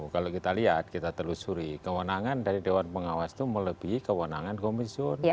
kalau kita lihat kita telusuri kewenangan dari dewan pengawas itu melebihi kewenangan komisioner